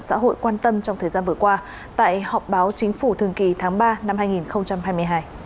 xã hội quan tâm trong thời gian vừa qua tại họp báo chính phủ thường kỳ tháng ba năm hai nghìn hai mươi hai